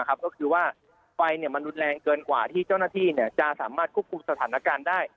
ก็คือว่าไฟมันรุนแรงเกินกว่าที่เจ้าหน้าที่จะสามารถควบคุมสถานการณ์ได้